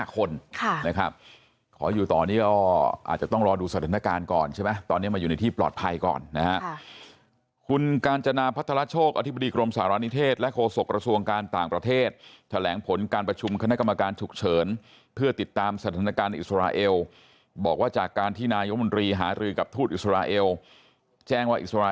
นะครับขออยู่ต่อนี่ก็อาจจะต้องรอดูสถานการณ์ก่อนใช่ไหมตอนนี้มาอยู่ในที่ปลอดภัยก่อนนะฮะคุณกาญจนาพัฒนาโชคอธิบดีกรมสารณิเทศและโฆษกระทรวงการต่างประเทศแถลงผลการประชุมคณะกรรมการฉุกเฉินเพื่อติดตามสถานการณ์อิสราเอลบอกว่าจากการที่นายมนตรีหารือกับทูตอิสราเอลแจ้งว่าอิสรา